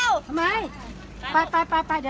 สวัสดีครับคุณพลาด